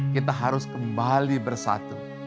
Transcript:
kita harus kembali bersatu